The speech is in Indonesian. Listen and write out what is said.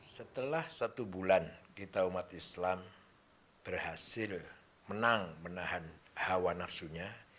setelah satu bulan kita umat islam berhasil menang menahan hawa nafsunya